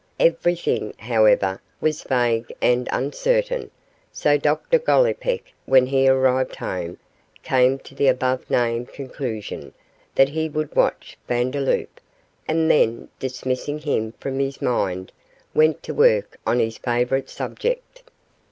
Everything, however, was vague and uncertain; so Dr Gollipeck, when he arrived home, came to the above named conclusion that he would watch Vandeloup, and then, dismissing him from his mind, went to work on his favourite subject.